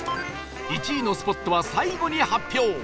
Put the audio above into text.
１位のスポットは最後に発表